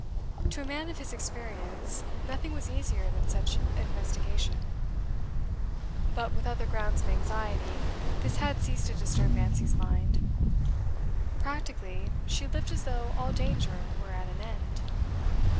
To a man of his experience, nothing was easier than such investigation. But, with other grounds of anxiety, this had ceased to disturb Nancy's mind. Practically, she lived as though all danger were at an end.